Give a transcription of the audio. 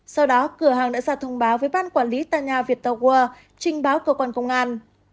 sau đó cửa hàng đã ra thông báo với ban quản lý tòa nhà viettel world trình báo cơ quan công an